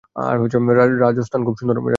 রাজস্থান খুব সুন্দর স্থান।